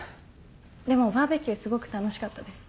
でもバーベキューすごく楽しかったです。